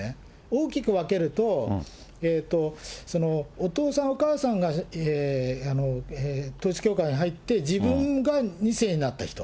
大きく分けると、お父さんお母さんが統一教会に入って、自分が２世になった人。